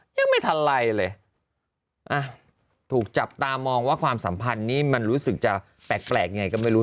ยังไม่ทันไรเลยอ่ะถูกจับตามองว่าความสัมพันธ์นี้มันรู้สึกจะแปลกยังไงก็ไม่รู้